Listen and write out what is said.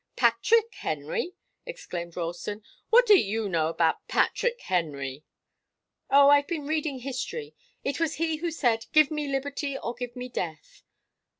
"Patrick Henry!" exclaimed Ralston. "What do you know about Patrick Henry?" "Oh, I've been reading history. It was he who said, 'Give me liberty, or give me death.